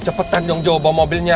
cepetan joe joe bawa mobilnya